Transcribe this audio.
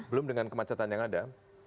belum dengan kemacetan yang ada